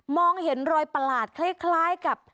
เห็นรอยประหลาดคล้ายกับ